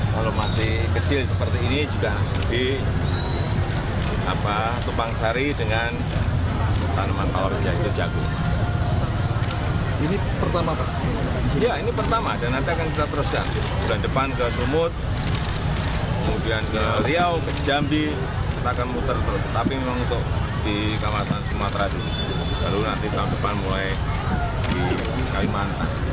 kemudian ke riau ke jambi kita akan putar terus tapi memang untuk di kawasan sumatera dulu lalu nanti tahun depan mulai di kalimantan